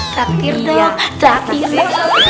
traktir dong traktir